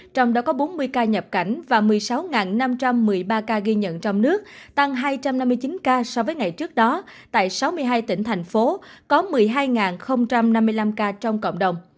trong đó có bốn mươi ca nhập cảnh và một mươi sáu năm trăm một mươi ba ca ghi nhận trong nước tăng hai trăm năm mươi chín ca so với ngày trước đó